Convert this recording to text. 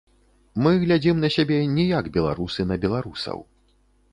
Мы глядзім на сябе не як беларусы на беларусаў.